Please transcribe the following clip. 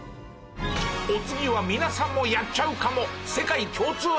お次は皆さんもやっちゃうかも。